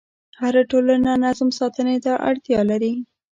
هره ټولنه نظم ساتنې ته اړتیا لري.